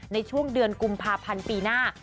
ในช่วงเดือนกุมภาพันธ์ปีหน้า